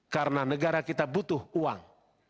karena negara kita butuh uang